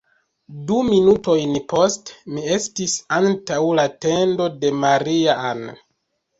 Du minutojn poste, mi estis antaŭ la tendo de Maria-Ann.